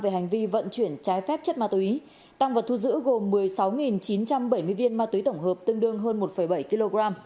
tăng vật thu giữ gồm một mươi sáu chín trăm bảy mươi viên ma túy tổng hợp tương đương hơn một bảy kg